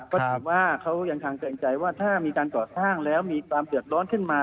ก็ถือว่าเขายังคางเกรงใจว่าถ้ามีการก่อสร้างแล้วมีความเดือดร้อนขึ้นมา